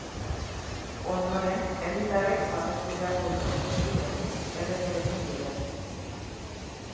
Ondoren, herritarrek babestu beharko dute testu berria, erreferendum bidez.